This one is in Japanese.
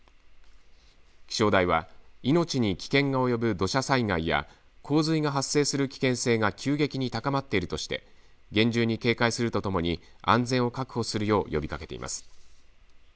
気象台は命に危険が及ぶ土砂災害や洪水が発生する危険性が急激に高まっているとして厳重に警戒するとともに安全を確保するよう呼びかけています。